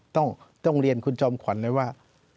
ต้องเรียนคุณจอมขวัญเลยว่า